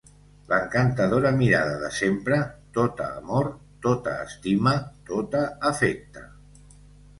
L'encantadora mirada de sempre, tota amor, tota estima, tota afecte.